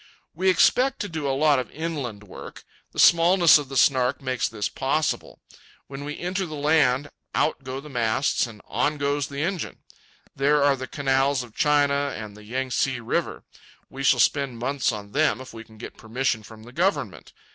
We expect to do a lot of inland work. The smallness of the Snark makes this possible. When we enter the land, out go the masts and on goes the engine. There are the canals of China, and the Yang tse River. We shall spend months on them if we can get permission from the government.